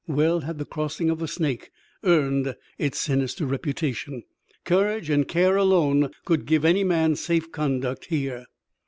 Well had the crossing of the Snake earned its sinister reputation. Courage and care alone could give any man safe conduct here.